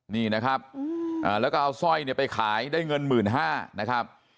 นี่นะครับแล้วก็เอาสร้อยเนี่ยไปขายได้เงิน๑๕๐๐นะครับ